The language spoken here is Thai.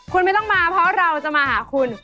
คุณไม่ต้องมาเพราะเราจะมาหาคุณ